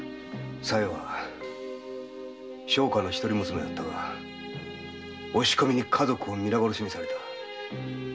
さえは商家の一人娘だったが押し込みに家族を皆殺しにされた。